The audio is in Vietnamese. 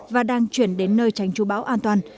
và đang chuyển đến nơi tránh chú bão an toàn